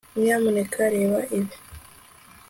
nyamuneka reba ibi